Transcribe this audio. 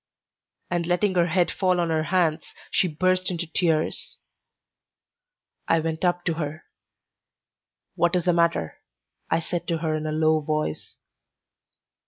And letting her head fall on her hands, she burst into tears. I went up to her. "What is the matter?" I said to her in a low voice.